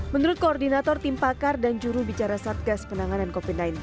menurut koordinator tim pakar dan jurubicara satgas penanganan covid sembilan belas